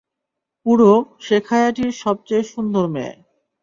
পুরো শেখায়াটি-র সবচেয়ে সুন্দর মেয়ে।